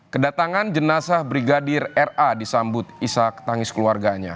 kedatangan jenasa brigadir ra disambut isa ketangis keluarganya